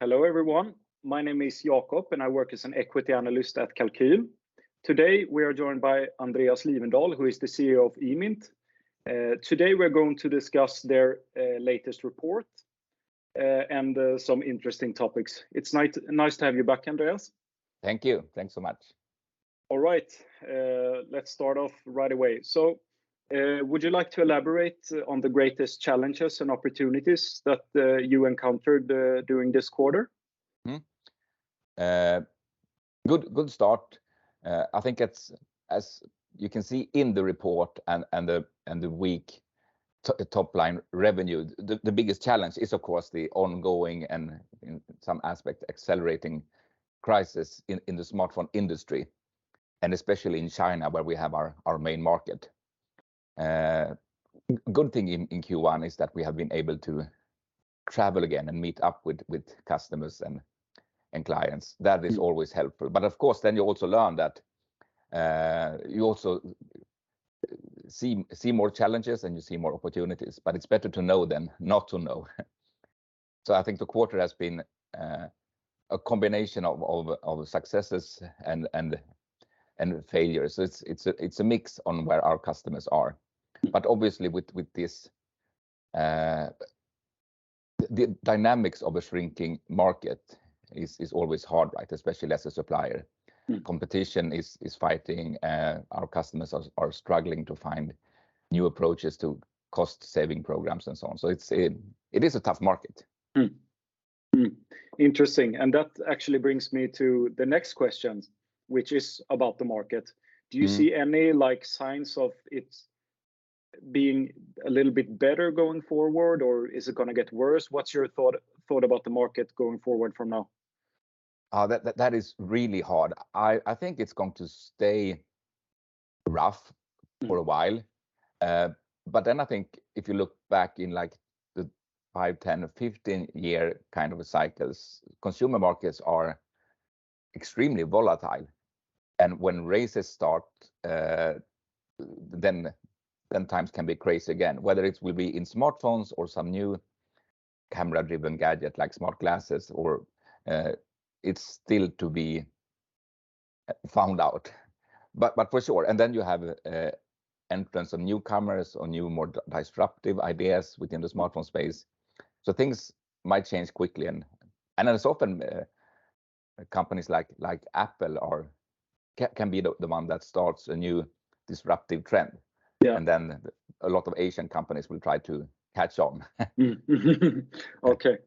Hello, everyone. My name is Jacob, and I work as an equity analyst at Kalqyl. Today, we are joined by Andreas Lifvendahl, who is the CEO of Imint. Today we're going to discuss their latest report and some interesting topics. It's nice to have you back, Andreas. Thank you. Thanks so much. All right. Let's start off right away. Would you like to elaborate on the greatest challenges and opportunities that you encountered during this quarter? Good start. I think it's, as you can see in the report and the weak top-line revenue, the biggest challenge is, of course, the ongoing and in some aspect accelerating crisis in the smartphone industry, and especially in China, where we have our main market. Good thing in Q1 is that we have been able to travel again and meet up with customers and clients. That is always helpful of course, then you also learn that, you also see more challenges, and you see more opportunities. It's better to know than not to know. I think the quarter has been a combination of successes and failures. It's a mix on where our customers are. Obviously with this, the dynamics of a shrinking market is always hard, right especially as a supplier. Competition is fighting, our customers are struggling to find new approaches to cost-saving programs, and so on. It is a tough market. Interesting, that actually brings me to the next question, which is about the market. Do you see any, like, signs of it being a little bit better going forward, or is it gonna get worse? What's your thought about the market going forward from now? That is really hard. I think it's going to stay rough for a while. I think if you look back in, like, the five, 10 or 15-year kind of cycles, consumer markets are extremely volatile, and when raises start, then times can be crazy again, whether it will be in smartphones or some new camera-driven gadget like smart glasses or... It's still to be found out. But for sure. You have entrance of newcomers or new, more disruptive ideas within the smartphone space. Things might change quickly and it's often companies like Apple are... can be the one that starts a new disruptive trend. Yeah. Then a lot of Asian companies will try to catch on. Okay.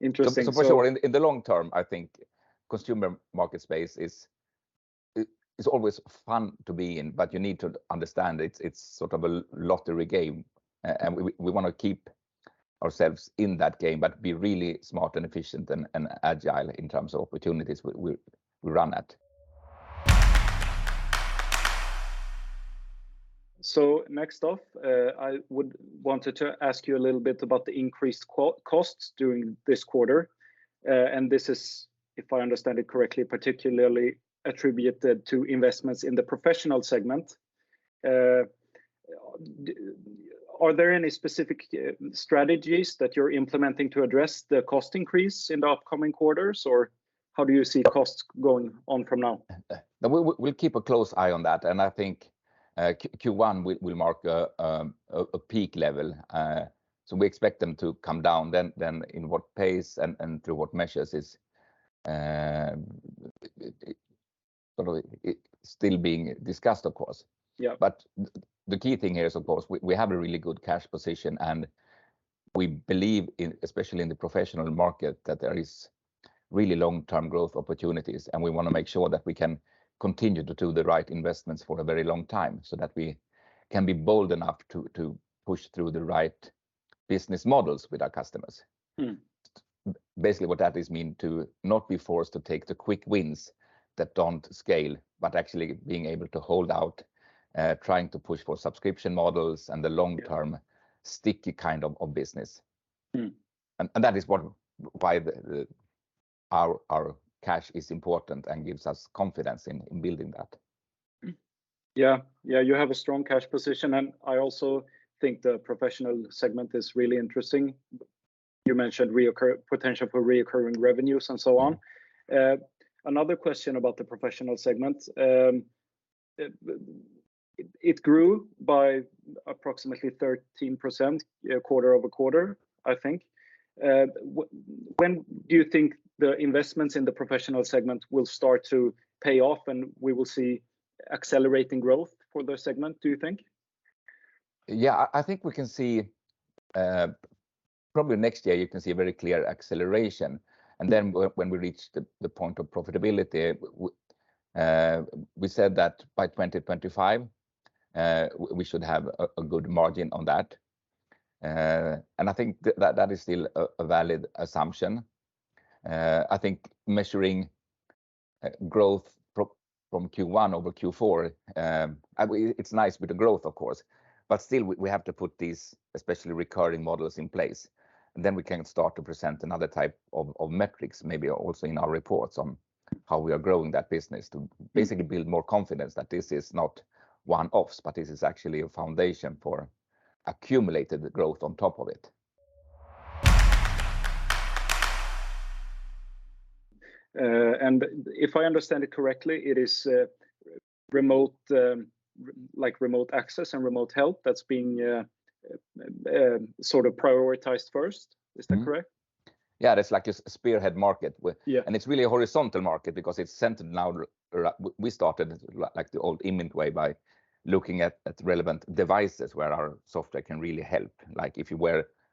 Interesting. For sure in the long term, I think consumer market space is always fun to be in, but you need to understand it's sort of a lottery game. And we wanna keep ourselves in that game but be really smart and efficient and agile in terms of opportunities we run at. Next off, wanted to ask you a little bit about the increased costs during this quarter. This is, if I understand it correctly, particularly attributed to investments in the professional segment. Are there any specific strategies that you're implementing to address the cost increase in the upcoming quarters, or how do you see? costs going on from now? We'll keep a close eye on that, and I think Q1 will mark a peak level. We expect them to come down then. In what pace and through what measures is sort of still being discussed, of course. Yeah. The key thing here is, of course, we have a really good cash position, and we believe in, especially in the professional market, that there is really long-term growth opportunities. We wanna make sure that we can continue to do the right investments for a very long time so that we can be bold enough to push through the right business models with our customers. Mm. Basically, what that is mean to not be forced to take the quick wins that don't scale, but actually being able to hold out, trying to push for subscription models and the long-term sticky kind of business. Mm. That is why our cash is important and gives us confidence in building that. Yeah. You have a strong cash position, and I also think the professional segment is really interesting. You mentioned potential for reoccurring revenues and so on. Another question about the professional segment. It grew by approximately 13% quarter-over-quarter, I think. When do you think the investments in the professional segment will start to pay off, and we will see accelerating growth for the segment, do you think? I think we can see, probably next year you can see a very clear acceleration. When we reach the point of profitability, we said that by 2025, we should have a good margin on that. I think that is still a valid assumption. I think measuring growth from Q1 over Q4, I mean, it's nice with the growth, of course, but still we have to put these, especially recurring models, in place. We can start to present another type of metrics maybe also in our reports on how we are growing that business to basically build more confidence that this is not one-offs, but this is actually a foundation for accumulated growth on top of it. If I understand it correctly, it is remote like remote access and remote help that's being sort of prioritized first. Is that correct? Yeah. It's like a spearhead market where- Yeah It's really a horizontal market because it's centered now we started like the old image way by looking at relevant devices where our software can really help. Like if you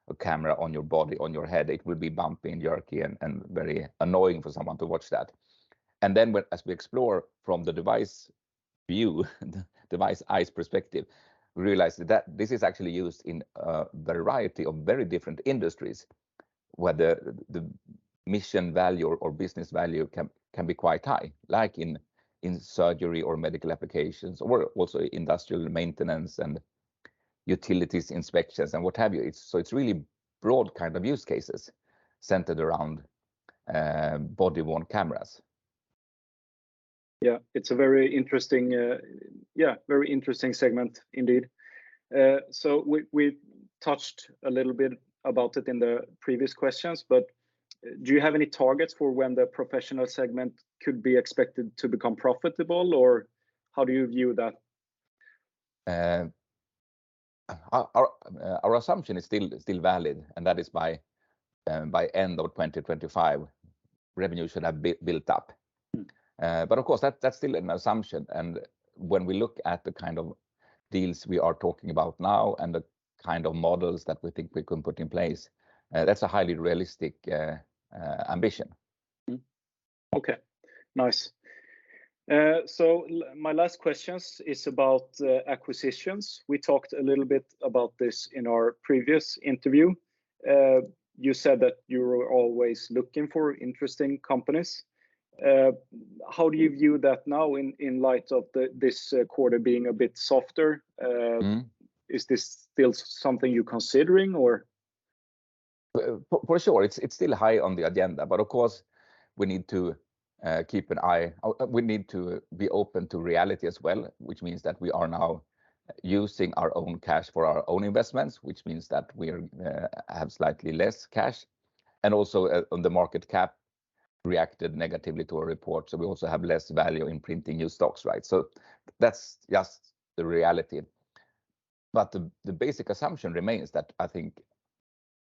wear a camera on your body, on your head, it will be bumpy and jerky and very annoying for someone to watch that. As we explore from the device view, the device eyes perspective, we realized that this is actually used in a variety of very different industries where the mission value or business value can be quite high, like in surgery or medical applications or also industrial maintenance and utilities inspections, and what have you. It's really broad kind of use cases centered around body-worn cameras. Yeah. It's a very interesting, yeah, very interesting segment indeed. We, we touched a little bit about it in the previous questions, but do you have any targets for when the professional segment could be expected to become profitable or how do you view that? Our assumption is still valid, and that is by end of 2025, revenue should have built up. Of course, that's still an assumption, and when we look at the kind of deals we are talking about now and the kind of models that we think we can put in place, that's a highly realistic ambition. Mm-hmm. Okay. Nice. My last questions is about acquisitions. We talked a little bit about this in our previous interview. You said that you're always looking for interesting companies. How do you view that now in light of this quarter being a bit softer? Mm-hmm... is this still something you're considering or? For sure. It's still high on the agenda. Of course, we need to be open to reality as well, which means that we are now using our own cash for our own investments, which means that we're have slightly less cash. Also, on the market cap reacted negatively to our report, we also have less value in printing new stocks, right? That's just the reality. The basic assumption remains that I think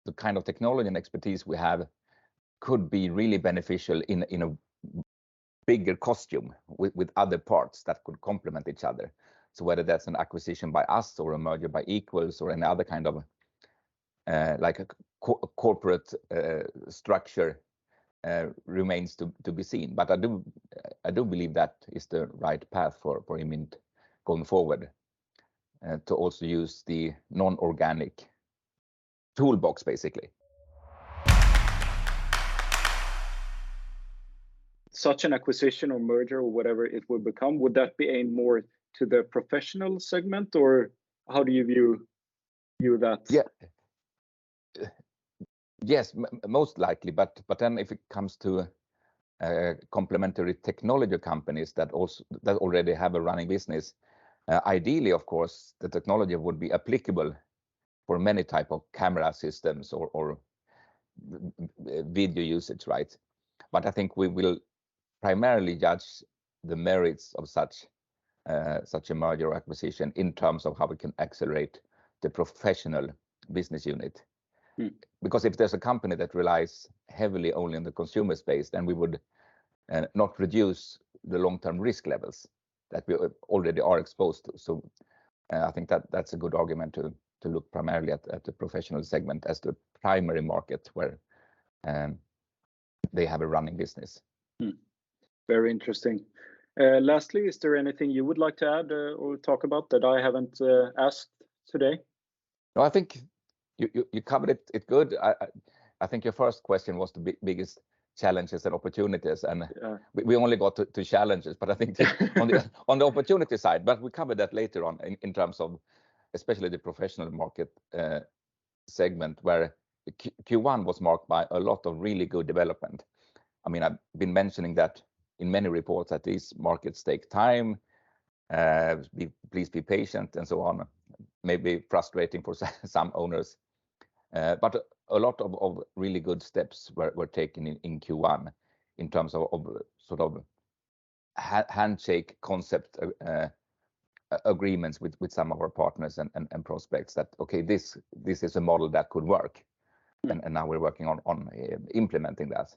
the kind of technology and expertise we have could be really beneficial in a bigger constellation with other parts that could complement each other. Whether that's an acquisition by us or a merger by equals or any other kind of like a corporate structure remains to be seen. I do believe that is the right path for Imint going forward, to also use the non-organic toolbox, basically. Such an acquisition or merger or whatever it would become, would that be aimed more to the professional segment, or how do you view that? Yeah. Yes, most likely. If it comes to complementary technology companies that already have a running business, ideally, of course, the technology would be applicable for many type of camera systems or video usage, right? I think we will primarily judge the merits of such a merger acquisition in terms of how we can accelerate the professional business unit. Mm-hmm. If there's a company that relies heavily only in the consumer space, then we would not reduce the long-term risk levels that we already are exposed to. I think that's a good argument to look primarily at the professional segment as the primary market where they have a running business. Mm-hmm. Very interesting. Lastly, is there anything you would like to add, or talk about that I haven't, asked today? No, I think you covered it good. I think your first question was the biggest challenges and opportunities. Yeah we only got to challenges. On the opportunity side, but we covered that later on in terms of especially the professional market segment, where Q1 was marked by a lot of really good development. I mean, I've been mentioning that in many reports that these markets take time, please be patient, and so on. Maybe frustrating for some owners. A lot of really good steps were taken in Q1 in terms of sort of handshake concept agreements with some of our partners and prospects that, okay, this is a model that could work. Mm-hmm. Now we're working on implementing that.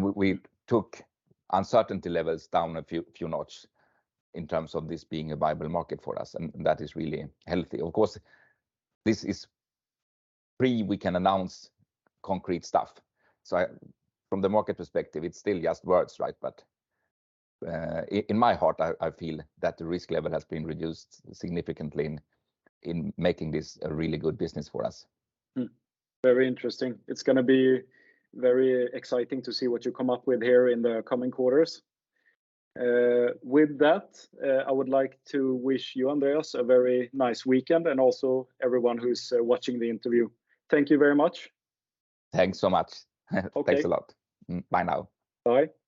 We took uncertainty levels down a few notch in terms of this being a viable market for us, and that is really healthy. Of course, this is pre we can announce concrete stuff. From the market perspective, it's still just words, right? In my heart, I feel that the risk level has been reduced significantly in making this a really good business for us. Mm-hmm. Very interesting. It's gonna be very exciting to see what you come up with here in the coming quarters. With that, I would like to wish you, Andreas, a very nice weekend and also everyone who's watching the interview. Thank you very much. Thanks so much. Okay. Thanks a lot. Bye now. Bye.